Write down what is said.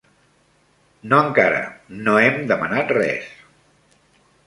No encara, no hem demanat res.